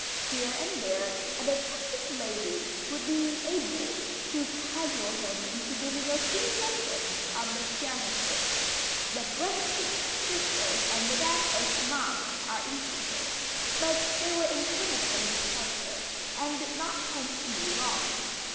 Here and there an attractive lady would be able to cajole him into giving a few lessons on the pianoforte the Brunswick sisters and Madame Ertmann are instances, but they were intermittent in character, and did not continue long.